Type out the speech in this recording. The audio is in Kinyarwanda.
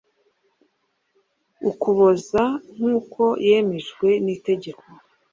Ukuboza nk uko yemejwe n itegeko